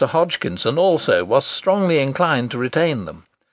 Hodgkinson, also, was strongly inclined to retain them.